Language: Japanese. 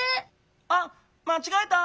あっまちがえた！